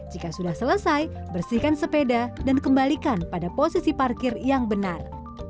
jika sudah selesai bersihkan sepeda dan kembalikan pada posisi parkir yang benar